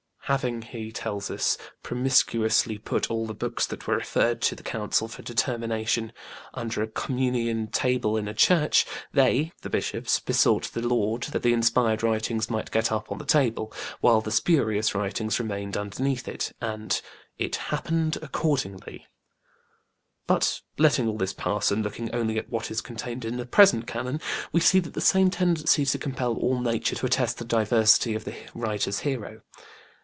Having, he tells us, "promiscuously put all the books that were referred to the Council for determination under a Communion table in a church, they (the bishops) besought the Lord that the inspired writings might get up on the table, while the spurious writings remained underneath, and it happened accordingly". But letting all this pass and looking only to what is contained in the present Canon, we see the same tendency to compel all nature to attest the divinity of the writer's hero.